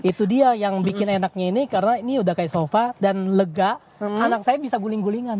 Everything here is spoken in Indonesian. itu dia yang bikin enaknya ini karena ini udah kayak sofa dan lega anak saya bisa guling gulingan